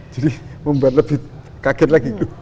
jadi membuat lebih kaget lagi